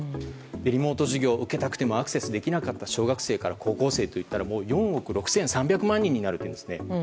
リモート授業を受けたくてもアクセスできなかった小学生から高校生といったら４億６３００万人になるというんです。